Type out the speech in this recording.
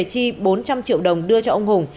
chi bốn trăm linh triệu đồng đưa cho ông hùng